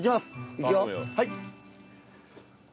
いくよ。